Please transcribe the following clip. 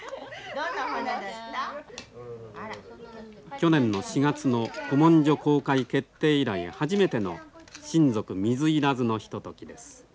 去年の４月の古文書公開決定以来初めての親族水入らずのひとときです。